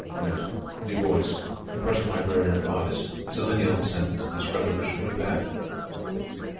Du Bois, the present librarian of Ardis, is a lineal descendant of this revolutionary pair.